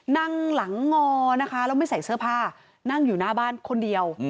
นั่งหลังงอนะคะแล้วไม่ใส่เสื้อผ้านั่งอยู่หน้าบ้านคนเดียว